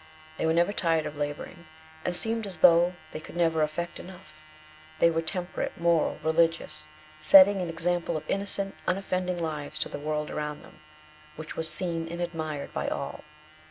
They were never tired of labouring, and seemed as though they could never effect enough. They became temperate, moral, religious, setting an example of innocent, unoffending lives to the world around them, which was seen and admired by all.